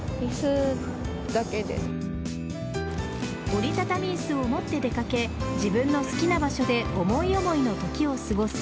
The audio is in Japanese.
折り畳み椅子を持って出掛け自分の好きな場所で思い思いの時を過ごす